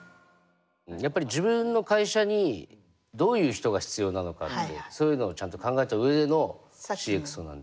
やっぱり自分の会社にどういう人が必要なのかってそういうのをちゃんと考えた上でのＣｘＯなんで。